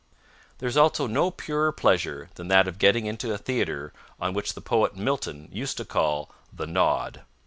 There is also no purer pleasure than that of getting into a theatre on what the poet Milton used to call "the nod."